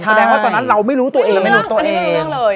ตอนนั้นเราไม่รู้ตัวเอง